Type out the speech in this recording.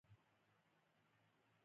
د خطر هېڅ نښه نه وه، موږ چې ان کله.